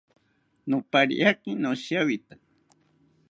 Nopariaki noshiawita